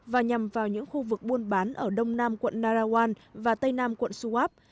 và nhằm vào những khu vực buôn bán ở đông nam quận narawan và tây nam quận suwab